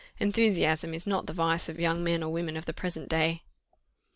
Enthusiasm is not the vice of the young men or women of the present day."